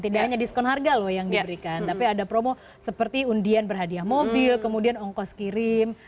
tidak hanya diskon harga loh yang diberikan tapi ada promo seperti undian berhadiah mobil kemudian ongkos kirim